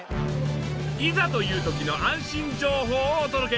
いざという時の安心情報をお届け。